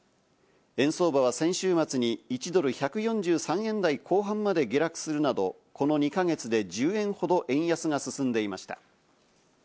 円相場は先週末に１ドル＝１４３円台後半まで下落するなど、この２か月で１０円ほど円安が進んでいました。